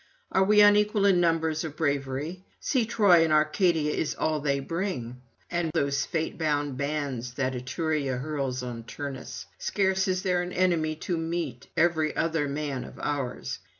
are we unequal in numbers or bravery? See, Troy and Arcadia is all they bring, and those fate bound bands that Etruria hurls on Turnus. Scarce is there an enemy to meet every other man of ours.